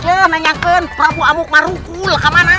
tak paruh ul